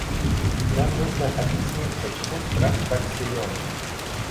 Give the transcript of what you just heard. Нам нужно объяснить, почему страх так силен.